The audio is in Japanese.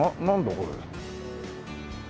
これ。